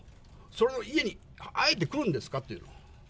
それを、家にあえて来るんですかっていうの。